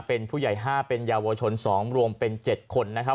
เป็นผู้ใหญ่๕เป็นเยาวชน๒รวมเป็น๗คนนะครับ